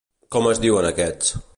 Com es diuen aquests?